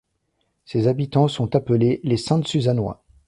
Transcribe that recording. Ses habitants sont appelés les Sainte-Suzannois.